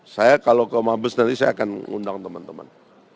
saya kalau ke mabes nanti saya akan undang teman teman